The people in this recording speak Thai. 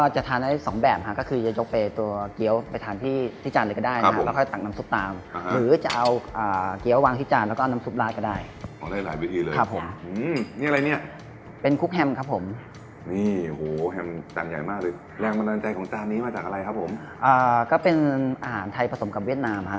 อเจมส์เป็นอาหารไทยผสมกับเวียดนาม